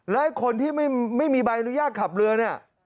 และคนที่ไม่มีใบอนุญาตขับเรือเนี่ย